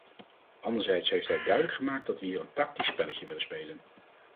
Anderzijds heeft hij duidelijk gemaakt dat we hier een tactisch spelletje willen spelen.